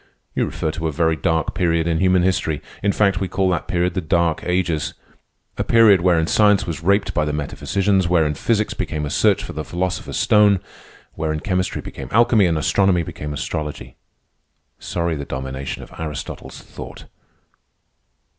"You refer to a very dark period in human history. In fact, we call that period the Dark Ages. A period wherein science was raped by the metaphysicians, wherein physics became a search for the Philosopher's Stone, wherein chemistry became alchemy, and astronomy became astrology. Sorry the domination of Aristotle's thought!"